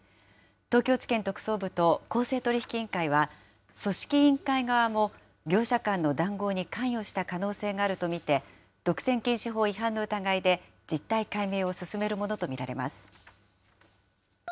東京地検特捜部と公正取引委員会は、組織委員会側も業者間の談合に関与した可能性があると見て、独占禁止法違反の疑いで実態解明を進めるものと見られます。